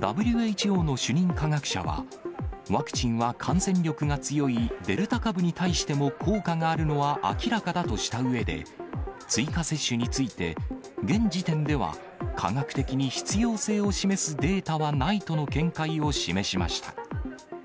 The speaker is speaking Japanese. ＷＨＯの主任科学者は、ワクチンは感染力が強いデルタ株に対しても効果があるのは明らかだとしたうえで、追加接種について、現時点では科学的に必要性を示すデータはないとの見解を示しました。